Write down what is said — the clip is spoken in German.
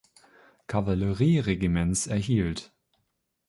Kavallerieregiments erhielt.